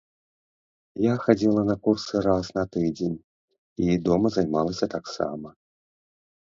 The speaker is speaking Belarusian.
Я хадзіла на курсы раз на тыдзень і дома займалася таксама.